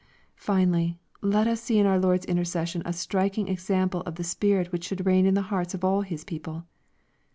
Finally, let us see in our Lord's intercession a striking example of the spirit which should reign in the hearts of all His people.